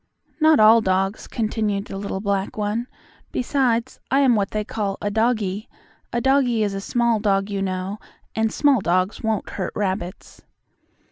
"Not all dogs," continued the little black one. "Besides, I am what they call a doggie. A doggie is a small dog, you know, and small dogs won't hurt rabbits."